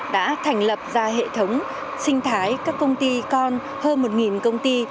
đã thành lập ra hệ thống sinh thái các công ty con hơn một công ty